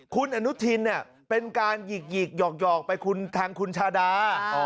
คุณอนุทินเป็นการหยิกหยอกไปคุณทางคุณชาดา